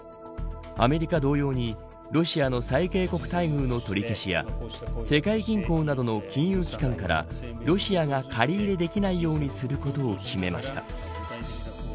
アメリカ同様にロシアの最恵国待遇の取り消しや世界銀行などの金融機関からロシアが借り入れできないようにすることを決めました。